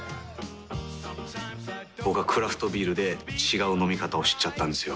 僕はクラフトビールで違う飲み方を知っちゃったんですよ。